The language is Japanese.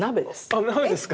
あ鍋ですか。